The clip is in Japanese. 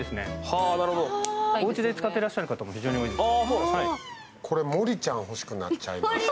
おうちで使ってらっしゃる方も非常に多いです。